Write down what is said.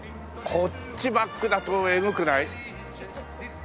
こっちバックだとエグくない？